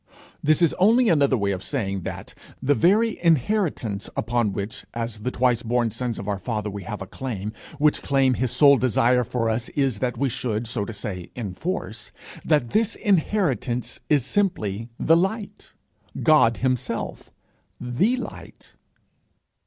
This is only another way of saying that the very inheritance upon which, as the twice born sons of our father, we have a claim which claim his sole desire for us is that we should, so to say, enforce that this inheritance is simply the light, God himself, the Light.